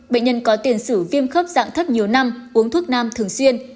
bệnh nhân có tiền sử viêm khớp dạng thấp nhiều năm uống thuốc nam thường xuyên